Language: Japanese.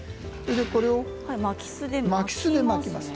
これを巻きすで巻きます。